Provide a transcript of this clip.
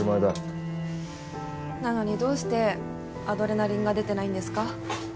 なのにどうしてアドレナリンが出てないんですか？